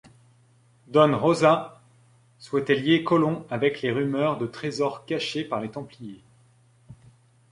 Don Rosa souhaitait lier Colomb avec les rumeurs de trésors cachés par les Templiers.